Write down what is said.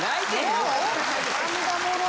涙もろい。